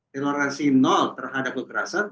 toleransi nol terhadap kekerasan